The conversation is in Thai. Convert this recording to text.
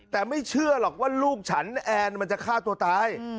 แต่ไม่เชื่อหรอกว่าลูกฉันแอนมันจะฆ่าตัวตาย